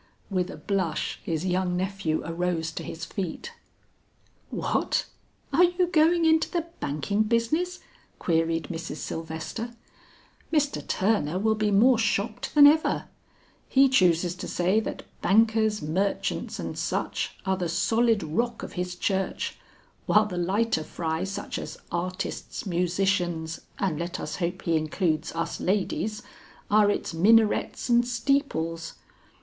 With a blush his young nephew arose to his feet. "What! are you going into the banking business?" queried Mrs. Sylvester. "Mr. Turner will be more shocked than ever: he chooses to say that bankers, merchants and such are the solid rock of his church, while the lighter fry such as artists, musicians, and let us hope he includes us ladies, are its minarets, and steeples.